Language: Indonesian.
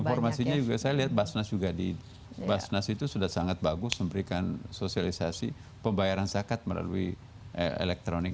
informasinya juga saya lihat basnas juga di basnas itu sudah sangat bagus memberikan sosialisasi pembayaran zakat melalui elektronik